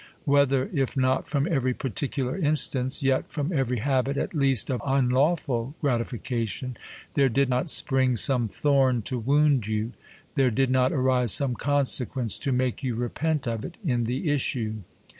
AYhether, if not from every particular in stance, yet from every habit, at least, of unlawi'id gratification, there did not spring some thorn to wound you ; there did not arise some consequence to make you repent of it in the issue